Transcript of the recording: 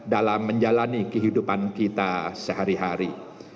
dalam menjalani kehidupan kita sehari hari